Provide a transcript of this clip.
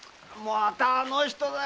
またあの人だよ。